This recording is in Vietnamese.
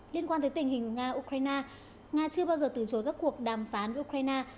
liên quan tới tình hình nga ukraine nga chưa bao giờ từ chối các cuộc đàm phán ukraine